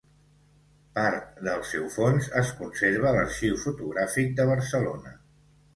Part del seu fons es conserva a l'Arxiu Fotogràfic de Barcelona.